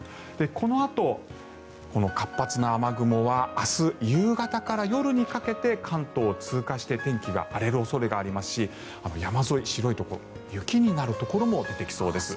このあと活発な雨雲は明日夕方から夜にかけて関東を通過して天気が荒れる恐れがありますし山沿い、白いところ雪になるところも出てきそうです。